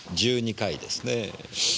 １２回ですねぇ。